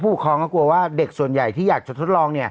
ผู้ปกครองก็กลัวว่าเด็กส่วนใหญ่ที่อยากจะทดลอง